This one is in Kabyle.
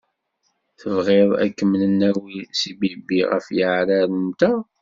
Tebɣiḍ ad kem-nawwi s ibibbi ɣef yeɛrar-nteɣ.